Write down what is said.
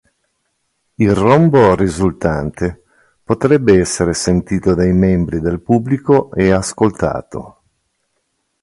Il rombo risultante potrebbe essere sentito dai membri del pubblico e ascoltato.